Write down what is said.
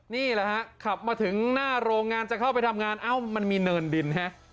นี่แหละฮะขับมาถึงหน้าโรงงานจะเข้าไปทำงานเอ้ามันมีเนินดินฮะ